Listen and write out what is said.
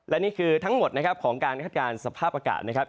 และนี่คือทั้งหมดนะครับของการคาดการณ์สภาพอากาศนะครับ